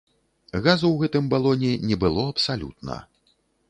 Газу ў гэтым балоне не было абсалютна.